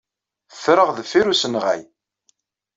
Ffreɣ deffir usenɣay.